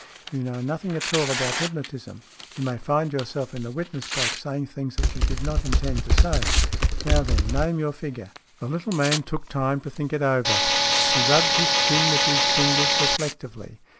You know nothing at all about hypnotism. You may find yourself in the witness box saying things that you did not intend to say. Now, then, name your figure." SMEATH 21 The little man took time to think it over. He rubbed his chin with his fingers reflectively.